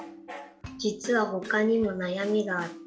じつはほかにもなやみがあって。